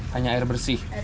hanya air bersih